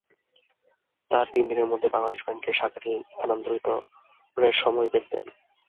তাঁরা তিন দিনের মধ্যে ব্যাংলাদেশ ব্যাংকের শাখাটি স্থানান্তরের সময় বেঁধে দেন।